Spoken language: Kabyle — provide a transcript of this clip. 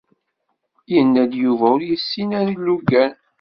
Yenna-d Yuba ur yessin ara ilugan.